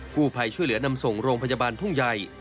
ผู้ภัยช่วยเหลือนำส่งโรงพยาบาลทุ่งใหญ่